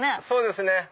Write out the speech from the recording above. そうですね。